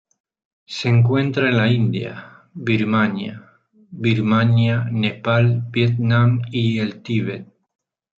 Se encuentra en la India, Birmania, Birmania, Nepal, Vietnam y el Tíbet.